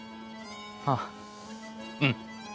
あぁうん。